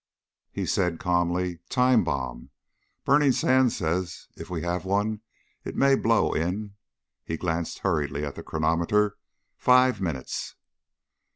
He said calmly, "Time bomb. Burning Sands says, if we have one, it may blow in " he glanced hurriedly at the chronometer "five minutes."